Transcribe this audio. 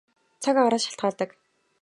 Цаг агаараас шалтгаалдаг.